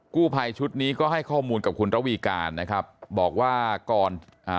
กู้ภัยชุดนี้ก็ให้ข้อมูลกับคุณระวีการนะครับบอกว่าก่อนอ่า